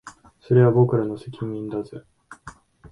それは僕らの責任だぜ